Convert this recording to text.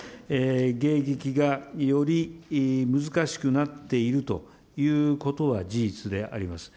迎撃がより難しくなっているということは事実であります。